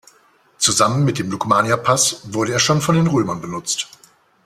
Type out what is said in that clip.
Zusammen mit dem Lukmanierpass wurde er schon von den Römern benutzt.